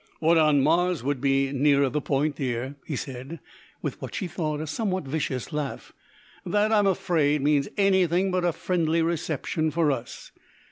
"What on Mars would be nearer the point, dear," he said, with what she thought a somewhat vicious laugh. "That, I'm afraid, means anything but a friendly reception for us.